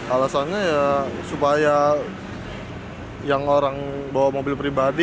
alasannya ya supaya yang orang bawa mobil pribadi